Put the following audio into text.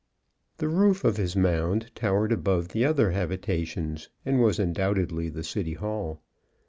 The roof of his mound towered above the other habitations, and was undoubtedly the City Hall.